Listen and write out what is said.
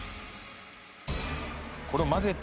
これを混ぜて。